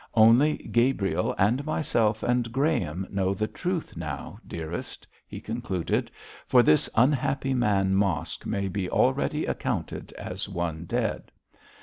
'Only Gabriel and myself and Graham know the truth now, dearest,' he concluded, 'for this unhappy man Mosk may be already accounted as one dead.